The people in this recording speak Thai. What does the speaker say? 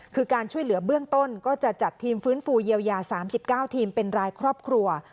คือการช่วยเหลือเบื้องต้นก็จะจัดทีมฟื้นฟูเยียวยา๓๙ทีมเป็นรายครอบครัว